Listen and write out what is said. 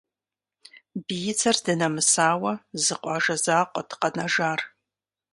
Биидзэр здынэмысауэ зы къуажэ закъуэт къэнэжар.